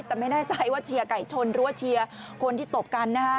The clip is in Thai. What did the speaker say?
แต่ไม่แน่ใจว่าเชียร์ไก่ชนหรือว่าเชียร์คนที่ตบกันนะฮะ